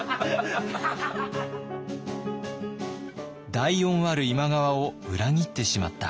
大恩ある今川を裏切ってしまった。